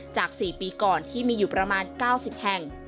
จาก๔ปีก่อนที่มีอยู่ประมาณ๙๐แห่ง